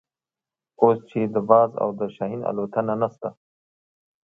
اوس چې د باز او شاهین الوتنه نشته.